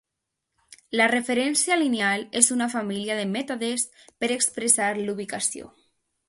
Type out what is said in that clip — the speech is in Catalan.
La referència lineal és una família de mètodes per expressar la ubicació.